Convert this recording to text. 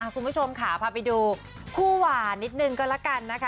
คุณผู้ชมค่ะพาไปดูคู่หวานนิดนึงก็แล้วกันนะคะ